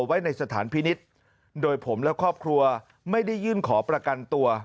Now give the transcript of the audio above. ไว้ในสถานพินิษฐ์โดยผมและครอบครัวไม่ได้ยื่นขอประกันตัว